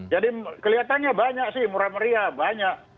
jadi kelihatannya banyak sih murah meriah banyak